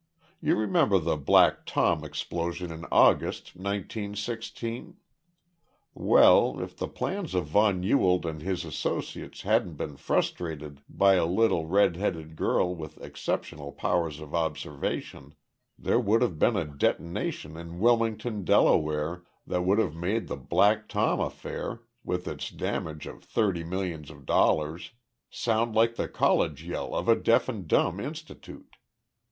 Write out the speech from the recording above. You remember the Black Tom explosion in August, nineteen sixteen? Well, if the plans of von Ewald and his associates hadn't been frustrated by a little red headed girl with exceptional powers of observation, there would have been a detonation in Wilmington, Delaware, that would have made the Black Tom affair, with its damage of thirty millions of dollars, sound like the college yell of a deaf and dumb institute.